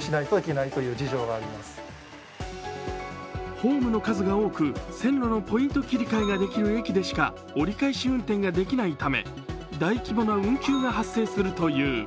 ホームの数が多く、線路のポイント切り替えができる駅でしか折り返し運転ができないため大規模な運休が発生するという。